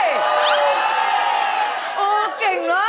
เออเก่งเนอะ